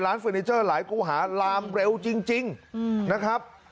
เฟอร์นิเจอร์หลายคู่หาลามเร็วจริงนะครับ